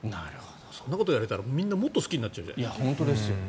そんなこと言われたらみんなもっと好きになっちゃう。